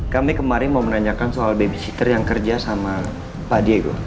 kami kemarin mau menanyakan soal babysitter yang kerja sama pak diego